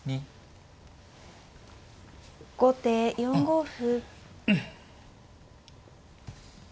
後手４五歩。